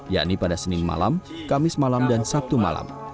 yakni pada senin malam kamis malam dan sabtu malam